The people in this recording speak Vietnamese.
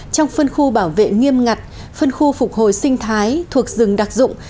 trong phân khu bảo vệ nghiêm ngặt phân khu phục hồi sinh thái thuộc rừng đặc dụng